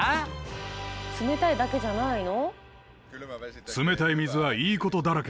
冷たいだけじゃないの？